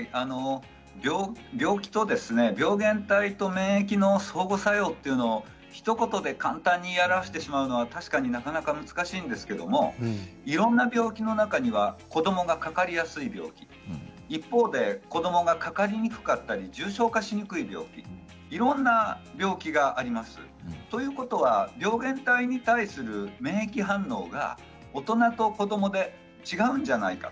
病気と病原体と免疫の相互作用というのはひと言で簡単に表してしまうのは確かになかなか難しいんですがいろんな病気の中には子どもがかかりやすい病気一方で子どもがかかりにくかったり重症化しにくい病気いろいろな病気があります。ということは病原体に対する免疫反応が、大人と子どもで違うんじゃないか。